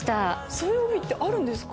そういう帯ってあるんですか？